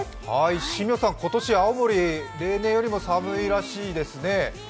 新名さん、今年、青森例年よりも寒いらしいですね。